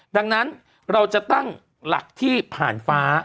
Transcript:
ดังนั้นเราจะตั้งหลักที่ผ่านฟ้า